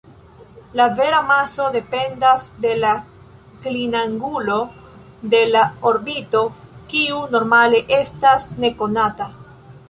La vera maso dependas de la klinangulo de la orbito, kiu normale estas nekonata.